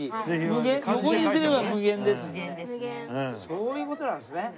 そういう事なんですね。